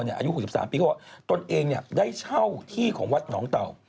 อายุ๖๓ปีเขาบอกว่าตนเองได้เช่าที่ของวัดหนองเต่า